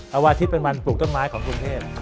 เอาอาทิตย์เป็นวันปลูกต้นไม้ของกรุงเทพ